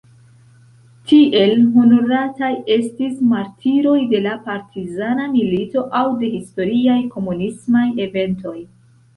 Tiel honorataj estis martiroj de la partizana milito aŭ de historiaj komunismaj eventoj.